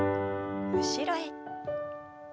後ろへ。